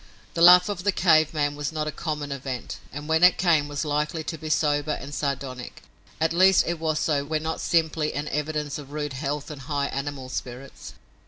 The laugh of the cave man was not a common event, and when it came was likely to be sober and sardonic, at least it was so when not simply an evidence of rude health and high animal spirits.